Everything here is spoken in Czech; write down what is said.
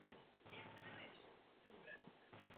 Od té doby hrála v mnoha dalších filmech pravidelně.